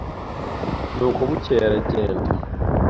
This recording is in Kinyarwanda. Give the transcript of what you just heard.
Ni uko bukeye aragenda